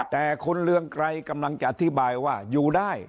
แต่คุณเรืองไกรกำลังจะอธิบายว่าอยู่ได้